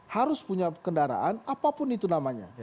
harus punya kendaraan apapun itu namanya